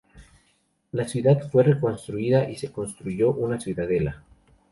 La ciudad fue reconstruida y se construyó una ciudadela.